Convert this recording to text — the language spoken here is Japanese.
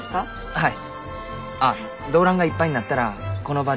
はい。